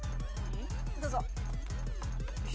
どうぞ。